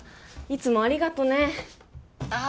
いつもありがとねああ